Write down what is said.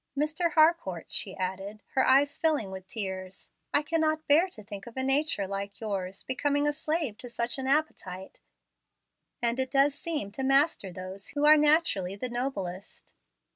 Mr. Harcourt," she added, her eyes filling with tears, "I cannot bear to think of a nature like yours becoming a slave to such an appetite, and it does seem to master those who are naturally the noblest."